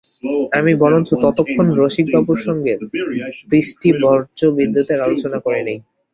আমি বরঞ্চ ততক্ষণ রসিকবাবুর সঙ্গে বৃষ্টিবজ্রবিদ্যুতের আলোচনা করে নিই।